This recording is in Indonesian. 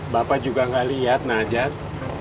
bapak juga nggak lihat najat